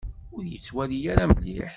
Ur yettwali ara mliḥ.